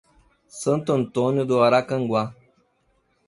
Santo Antônio do Aracanguá